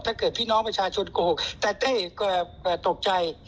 ถ้าเกิดพี่น้องประชาชนโกหกแต่เต้ก็ตกใจ